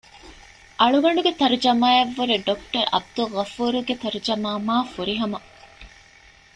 އަޅުގަނޑުގެ ތަރުޖަމާއަށްވުރެ ޑޮކްޓަރ ޢަބްދުލްޣަފޫރުގެ ތަރުޖަމާ މާ ފުރިހަމަ